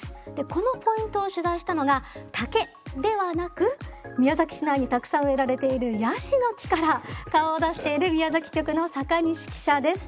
このポイントを取材したのが竹ではなく宮崎市内にたくさん植えられているヤシの木から顔を出している宮崎局の坂西記者です。